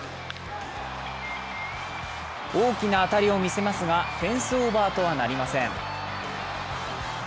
大きな当たりを見せますが、フェンスオーバーとはなりません。